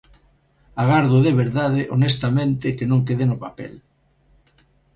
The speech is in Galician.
Agardo, de verdade, honestamente, que non quede no papel.